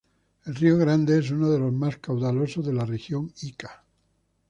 El río Grande es uno de los más caudalosos de la Región Ica.